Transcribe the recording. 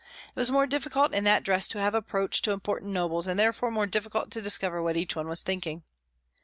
It was more difficult in that dress to have approach to important nobles, and therefore more difficult to discover what each one was thinking.